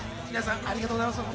ありがとうございます。